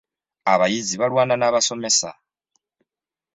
Abayizi balwana n'abasomesa.